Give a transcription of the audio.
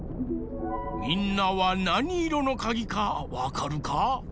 みんなはなにいろのかぎかわかるか？